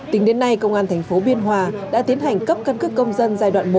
tính đến nay công an thành phố biên hòa đã tiến hành cấp căn cước công dân giai đoạn một